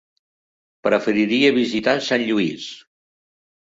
Preferiria visitar Sant Lluís.